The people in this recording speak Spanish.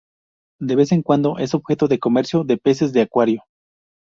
De vez en cuando, es objeto del comercio de peces de acuario.